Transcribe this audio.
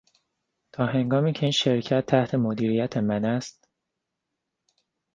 تا هنگامی که این شرکت تحت مدیریت من است...